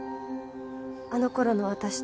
あの頃の私と。